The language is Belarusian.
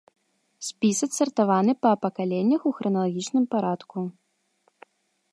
Спіс адсартаваны па пакаленнях у храналагічным парадку.